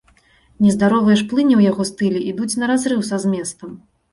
Нездаровыя ж плыні ў яго стылі ідуць на разрыў са зместам.